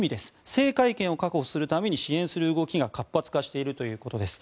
制海権を確保するために支援する動きが活発化しているということです。